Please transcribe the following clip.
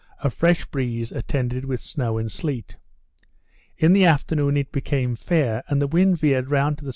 a fresh breeze attended with snow and sleet. In the afternoon it became fair, and the wind veered round to the S.